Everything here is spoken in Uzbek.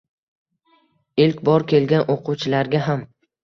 Ilk bor kelgan oʻquvchilarga ham.